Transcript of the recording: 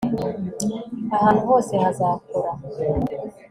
ahantu hose hazakora